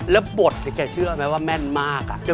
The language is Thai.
แล้วบทแกเชื่อไหมว่าแม่นมาก